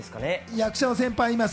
役者の先輩がいます。